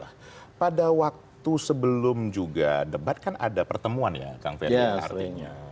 ada waktu sebelum juga debat kan ada pertemuan ya kang ferdinand artinya